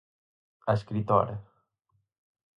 A escritora.